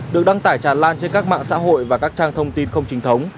được đăng tải tràn lan trên các mạng xã hội và các trang thông tin không chính thống